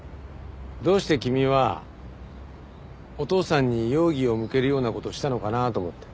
どうして君はお父さんに容疑を向けるような事をしたのかなと思って。